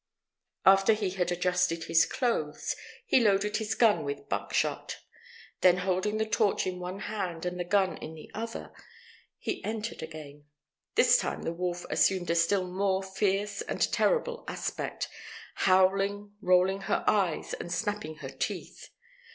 After he had adjusted his clothes, he loaded his gun with buckshot. Then holding the torch in one hand and the gun in the other, he entered again. This time the wolf assumed a still more fierce and terrible aspect, howling, rolling her eyes, and snapping her teeth.